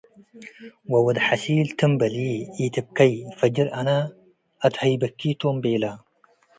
ወወድ-ሐሺል፤ “ትም በሊ፡ ኢትብከይ፣ ፈጅር አነ አትሀይበኪ' ተሥ ቤለ'።